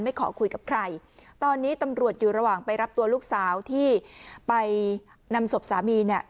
ขอคุยกับใครตอนนี้ตำรวจอยู่ระหว่างไปรับตัวลูกสาวที่ไปนำศพสามีเนี่ย